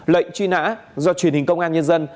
lệnh truy nã do truyền hình công an nhân dân